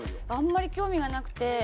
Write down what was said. あんまり興味がなくて。